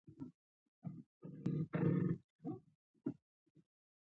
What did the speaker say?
کارېزونه درانه دي.